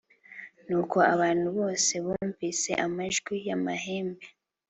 Nuko abantu bose bumvise amajwi y amahembe